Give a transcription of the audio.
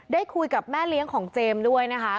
ได้คุยกับแม่เลี้ยงของเจมส์ด้วยนะคะ